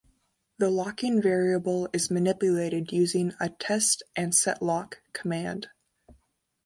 The locking variable is manipulated using a test-and-set-lock command.